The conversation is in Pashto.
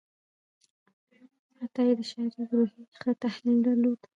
عطایي د شاعرۍ د روحیې ښه تحلیل درلود.